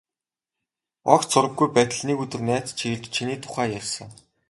Огт сураггүй байтал нэг өдөр найз чинь ирж, чиний тухай ярьсан.